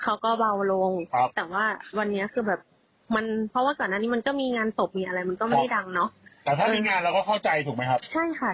เขาก็เบาลงครับแต่ว่าวันนี้คือแบบมันเพราะว่าก่อนหน้านี้มันก็มีงานศพมีอะไรมันก็ไม่ได้ดังเนอะแต่ถ้ามีงานเราก็เข้าใจถูกไหมครับใช่ค่ะ